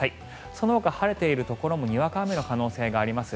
そのほか晴れているところもにわか雨の可能性があります。